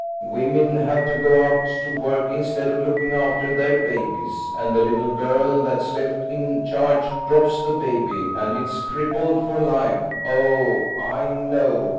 Women have to go out to work instead of looking after their babies, and the little girl that's left in charge drops the baby and it's crippled for life. Oh! I know.